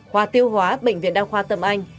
khoa tiêu hóa bệnh viện đa khoa tâm anh